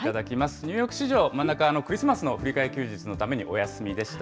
ニューヨーク市場、真ん中、クリスマスの振り替え休日のためにお休みでした。